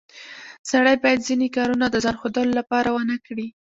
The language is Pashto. سړی باید ځینې کارونه د ځان ښودلو لپاره ونه کړي